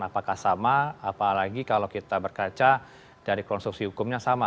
apakah sama apalagi kalau kita berkaca dari konstruksi hukumnya sama